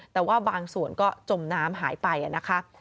แต่ว่าบางส่วนก็จมน้ำหายไปนะคะ